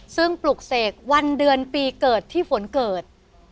ซึ่งปลุกเสกวันเดือนปีเกิดที่ฝนเกิด